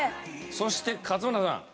そして勝村さん。